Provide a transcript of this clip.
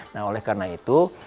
nah oleh karena itu